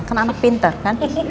kan anak pinter kan